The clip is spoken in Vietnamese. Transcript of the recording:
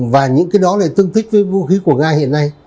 và những cái đó lại tương thích với vũ khí của nga hiện nay